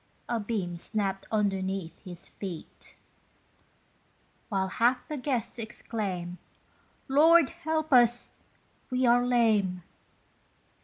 A beam snapped underneath his feet, While half the guests exclaim, "Lord help us! we are lame."